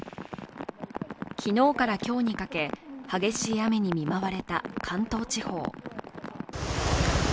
昨日から今日にかけ、激しい雨に見舞われた関東地方。